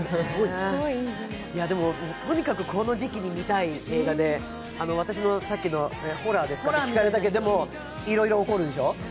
でもとにかくこの時期に見たい映画でさっき、ホラーですか？と聞かれたけど、でも、いろいろ起こるでしょ。